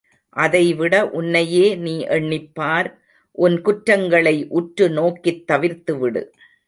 அதைவிட உன்னையே நீ எண்ணிப்பார் உன் குற்றங்களை உற்று நோக்கித் தவிர்த்துவிடு!